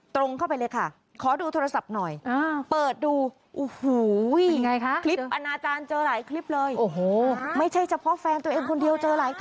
ตรงเข้าไปเลยค่ะขอดูโทรศัพท์หน่อย